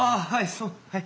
そうはい。